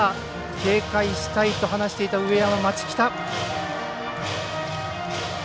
警戒したいと話していた上山。